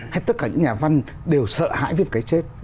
hay tất cả những nhà văn đều sợ hãi với một cái chết